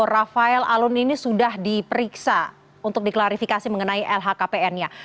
rafael alun ini sudah diperiksa untuk diklarifikasi mengenai lhkpn nya